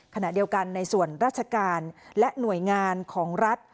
ขณะเดียวกันในส่วนราชการและหน่วยงานของรัฐ